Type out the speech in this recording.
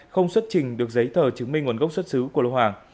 không xuất trình được giấy tờ chứng minh nguồn gốc xuất xứ của lô hàng